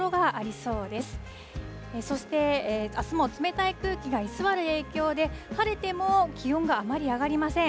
そしてあすも冷たい空気が居座る影響で、晴れても気温があまり上がりません。